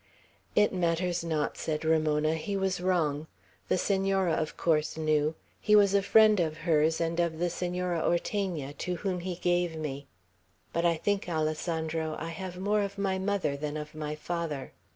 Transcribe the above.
"It matters not," said Ramona. "He was wrong. The Senora, of course, knew. He was a friend of hers, and of the Senora Ortegna, to whom he gave me. But I think, Alessandro, I have more of my mother than of my father."